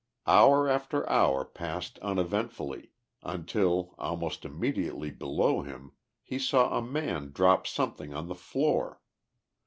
Hour after hour passed uneventfully until, almost immediately below him, he saw a man drop something on the floor.